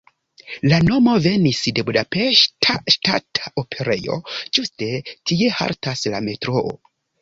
La nomo venis de Budapeŝta Ŝtata Operejo, ĝuste tie haltas la metroo.